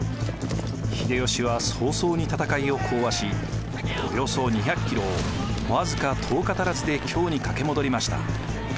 秀吉は早々に戦いを講和しおよそ２００キロを僅か１０日足らずで京に駆け戻りました。